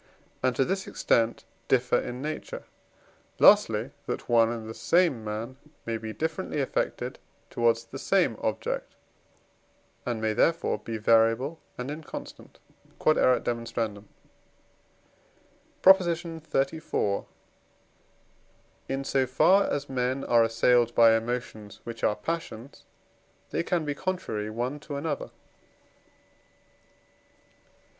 and to this extent differ in nature; lastly, that one and the same man may be differently affected towards the same object, and may therefore be variable and inconstant. Q.E.D. PROP. XXXIV. In so far as men are assailed by emotions which are passions, they can be contrary one to another.